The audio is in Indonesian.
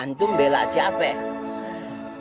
antum bela siapa ya